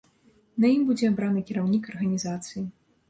На ім будзе абраны кіраўнік арганізацыі.